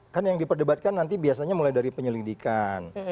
kan yang diperdebatkan nanti biasanya mulai dari penyelidikan